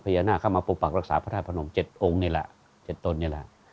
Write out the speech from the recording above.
พญานาคามาปรึกปากรักษาพระธาปนม๗องค์นี้ล่ะ๗ตนนี้ล่ะ